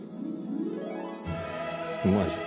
うまいじゃん。